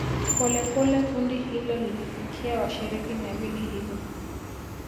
Polepole kundi hilo lilifikia washiriki mia mbili hivi